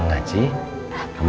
nunggu aja kan